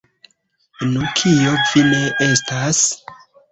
Nu, kio vi ne estas?